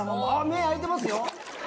目開いてますよ。